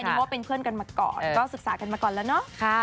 เพราะว่าเป็นเพื่อนกันมาก่อนก็ศึกษากันมาก่อนแล้วเนาะ